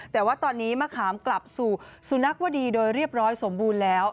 แต่ว่าตอนนี้มะขามกลับสู่สุนัขวดีโดยเรียบร้อยสมบูรณ์แล้ว